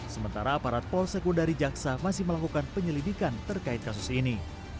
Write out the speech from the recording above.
sementara aparat polsekudari jaksa masih melakukan penyelidikan terkait kasus ini